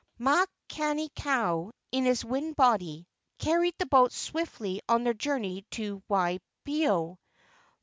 Makani kau, in his wind body, carried the boats swiftly on their journey to Waipio.